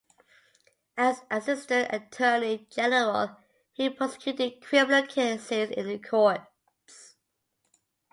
As Assistant Attorney General he prosecuted criminal cases in the courts.